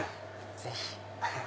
ぜひ！